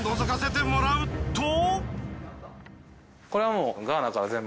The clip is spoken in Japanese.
これはもう。